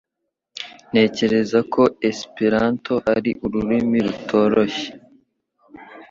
Ntekereza ko Esperanto ari ururimi rutoroshye